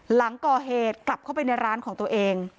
หลังก่อเหตุกลับเข้าไปในร้านของตัวเอง